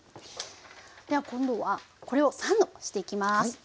では今度はこれをサンドしていきます。